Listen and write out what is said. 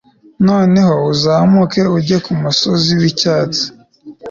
noneho uzamuke ujye kumusozi wicyatsi